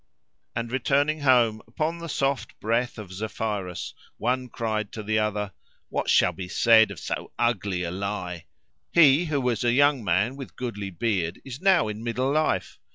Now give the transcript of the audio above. And returning home upon the soft breath of Zephyrus one cried to the other, "What shall be said of so ugly a lie? He who was a young man with goodly beard is now in middle life.